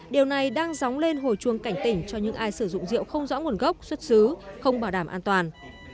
điều này đang dóng lên hồi chuông cảnh tỉnh cho những ai sử dụng rượu không rõ nguồn gốc xuất xứ không bảo đảm an toàn